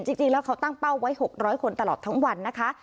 จริงจริงแล้วเขาตั้งเป้าไว้หกร้อยคนตลอดทั้งวันนะคะ